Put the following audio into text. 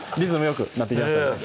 よくなってきましたね